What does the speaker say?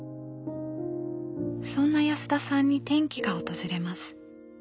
そんな安田さんに転機が訪れます。